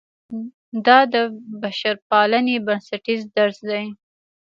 دا د بشرپالنې بنسټیز درس دی.